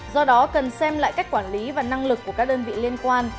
do đó cần xem lại cách quản lý và năng lực của các đơn vị liên quan